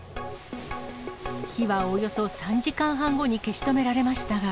火はおよそ３時間半後に消し止められましたが。